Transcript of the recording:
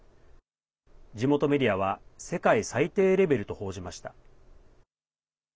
地元メディアは世界最低レベルと報じました。